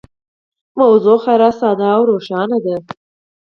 موضوع خورا ساده او روښانه ده.